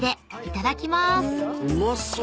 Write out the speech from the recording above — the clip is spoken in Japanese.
うまそう！